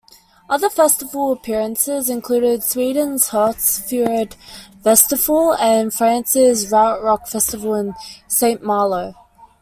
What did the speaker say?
Other festival appearances included Sweden's Hultsfred Festival and France's RouteRock festival in Saint Malo.